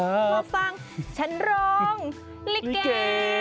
มาฟังฉันร้องลิเก